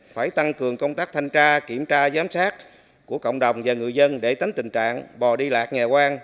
phải tăng cường công tác thanh tra kiểm tra giám sát của cộng đồng và người dân để tính tình trạng bò đi lạc nhà quang